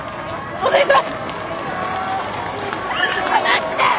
お願い。